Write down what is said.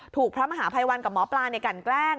พระมหาภัยวันกับหมอปลาในกันแกล้ง